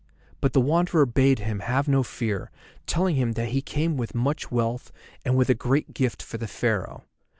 But the Wanderer bade him have no fear, telling him that he came with much wealth and with a great gift for the Pharaoh.